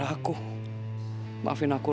tadi teh om brun wong teng